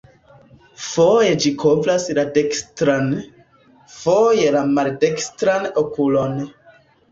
Foje ĝi kovras la dekstran, foje la maldekstran okulon.